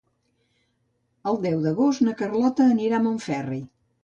El deu d'agost na Carlota anirà a Montferri.